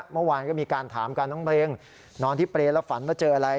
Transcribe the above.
เมื่อวานก็มีการถามกันน้องเพลงนอนที่เปรย์แล้วฝันว่าเจออะไร